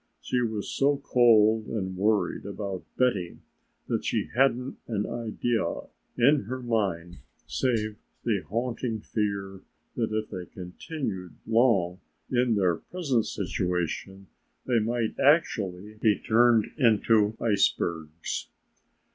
She was so cold and worried about Betty that she hadn't an idea in her mind save the haunting fear that if they continued long in their present situation they might actually be turned into icebergs.